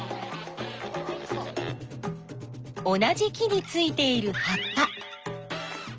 同じ木についているはっぱ。